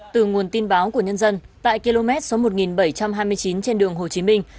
từ nguồn tin báo của nhân dân tại km một nghìn bảy trăm hai mươi chín trên đường hồ chí minh